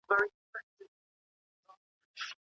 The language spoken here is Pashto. ایا مسلکي بڼوال خندان پسته پلوري؟